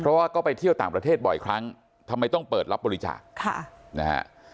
เพราะว่าก็ไปเที่ยวต่างประเทศบ่อยครั้งทำไมต้องเปิดรับบริจาคค่ะนะฮะ